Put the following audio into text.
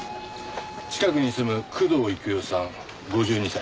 近くに住む工藤幾代さん５２歳。